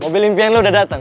mobil impian lo udah datang